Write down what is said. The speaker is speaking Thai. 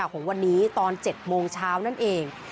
ของวันนี้ตอน๗โมงเช้านั่นเอง